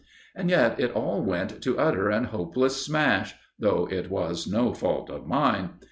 And yet it all went to utter and hopeless smash, though it was no fault of mine.